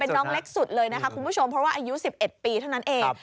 น้องเล็กสุดเลยนะคะคุณผู้ชมเพราะว่าอายุ๑๑ปีเท่านั้นเอง